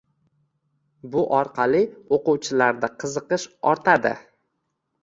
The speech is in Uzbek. Bu orqali o‘quvchilarda qiziqish ortadi.